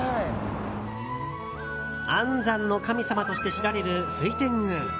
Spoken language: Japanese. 安産の神様として知られる水天宮。